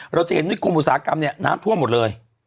เราจะเห็นนิคมอุตสาหกรรมเนี่ยน้ำท่วมหมดเลย